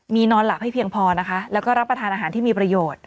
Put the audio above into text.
มีนอนหลับให้เพียงพอนะคะแล้วก็รับประทานอาหารที่มีประโยชน์